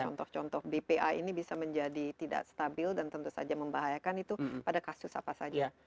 contoh contoh bpa ini bisa menjadi tidak stabil dan tentu saja membahayakan itu pada kasus apa saja